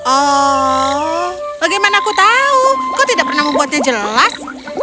oh bagaimana aku tahu kau tidak pernah membuatnya jelas